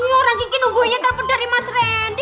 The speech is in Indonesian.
orang kiki nungguinnya terpedari mas randy